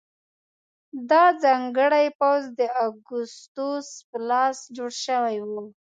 دا ځانګړی پوځ د اګوستوس په لاس جوړ شوی و.